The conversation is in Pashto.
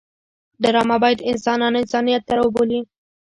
ډرامه باید انسانان انسانیت ته راوبولي